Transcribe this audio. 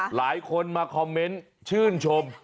หลายคนมาคอมเมนต์ชื่นชม